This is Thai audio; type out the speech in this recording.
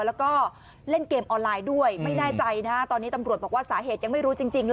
แล้วก็เล่นเกมออนไลน์ด้วยไม่แน่ใจนะตอนนี้ตำรวจบอกว่าสาเหตุยังไม่รู้จริง